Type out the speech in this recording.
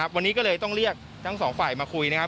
วันนี้ก็เลยต้องเรียกทั้งสองฝ่ายมาคุยนะครับ